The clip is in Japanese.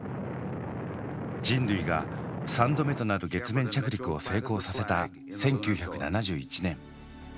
人類が３度目となる月面着陸を成功させた１９７１年。